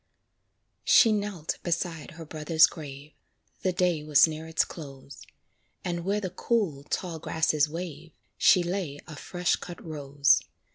She knelt beside her brother's grave, The day was near its close; And where the cool, tall grasses wave, She lay a fresh cut rose.